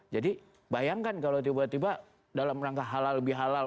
jadi bayangkan kalau tiba tiba dalam rangka halal bihalal